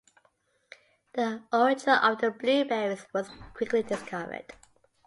The origin of the blueberries was quickly discovered.